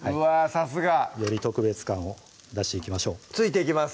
さすが！より特別感を出していきましょうついていきます！